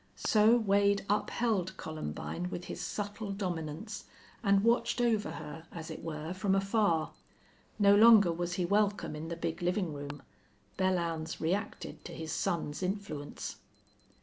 So Wade upheld Columbine with his subtle dominance, and watched over her, as it were, from afar. No longer was he welcome in the big living room. Belllounds reacted to his son's influence.